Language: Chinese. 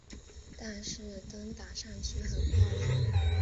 但是灯打上去很漂亮